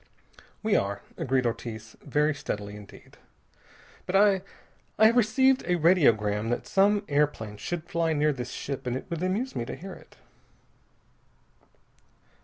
"We are," agreed Ortiz, very steadily indeed, "but I I have received a radiogram that some airplane should fly near this ship, and it would amuse me to hear it."